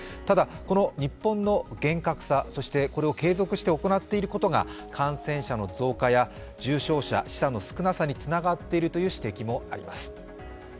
ただ日本の厳格さ、そしてこれを継続して行っていることが感染者の増加や重症者、死者の少なさにつながっているという指摘もあります。